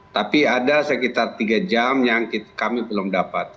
tapi ada sekitar tiga jam yang kami belum dapat